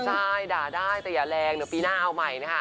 ใช่ด่าได้แต่อย่าแรงเดี๋ยวปีหน้าเอาใหม่นะคะ